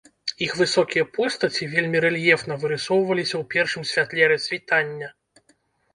Іх высокія постаці вельмі рэльефна вырысоўваліся ў першым святле рассвітання.